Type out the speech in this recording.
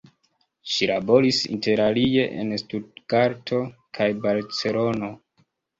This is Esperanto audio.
Ŝi laboris interalie en Stutgarto kaj Barcelono.